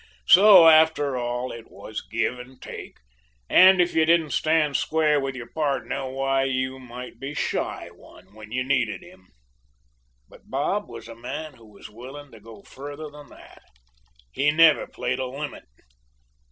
So, after all, it was give and take, and if you didn't stand square with your pardner, why, you might be shy one when you needed him. But Bob was a man who was willing to go further than that. He never played a limit.